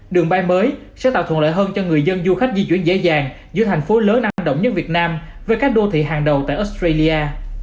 đường bay mới sẽ tạo thuận lợi hơn cho người dân du khách di chuyển dễ dàng giữa thành phố lớn năng động nhất việt nam với các đô thị hàng đầu tại australia